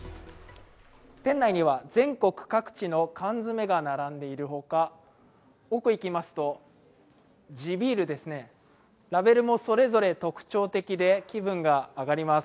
店内には全国各地の缶詰が並んでいるほか、奥に行きますと地ビール、ラベルもそれぞれ特徴的で気分が上がります。